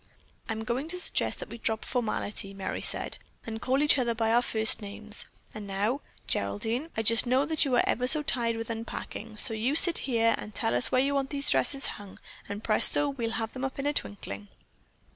"I'm going to suggest that we drop formality," Merry said, "and call each other by our first names; and now, Geraldine, I just know that you are ever so tired with unpacking, so you sit here and tell us where you want these dresses hung, and presto, we'll have them up in a twinkling."